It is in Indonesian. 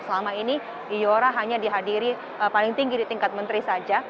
selama ini iora hanya dihadiri paling tinggi di tingkat menteri saja